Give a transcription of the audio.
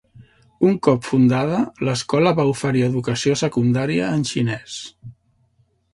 Un cop fundada, l'escola va oferir educació secundària en xinès.